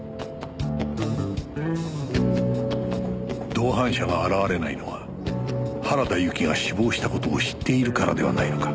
同伴者が現れないのは原田由紀が死亡した事を知っているからではないのか